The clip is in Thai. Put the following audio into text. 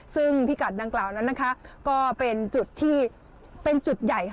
ซึ่งพิกัดดังกล่าวนั้นก็เป็นจุดที่เป็นจุดใหญ่